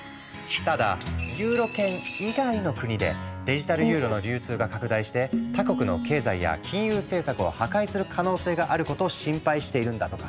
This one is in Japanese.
ただユーロ圏以外の国でデジタルユーロの流通が拡大して他国の経済や金融政策を破壊する可能性があることを心配しているんだとか。